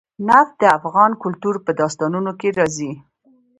نفت د افغان کلتور په داستانونو کې راځي.